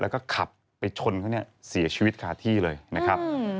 แล้วก็ขับไปชนเขาเนี่ยเสียชีวิตคาที่เลยนะครับ